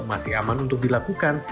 masih aman untuk dilakukan